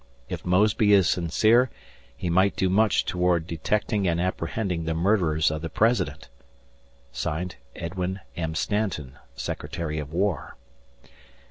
If Mosby is sincere, he might do much toward detecting and apprehending the murderers of the President. Edwin M. Stanton, Secretary of War.